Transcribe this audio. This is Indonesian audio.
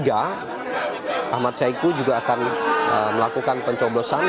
ahmad saiku juga akan melakukan pencoblosan